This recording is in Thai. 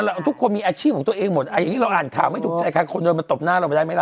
ทุกคนมีอาชีพของตัวเองหมดอย่างนี้เราอ่านข่าวไม่ถูกใจใครคนเดินมาตบหน้าเราไปได้ไหมล่ะ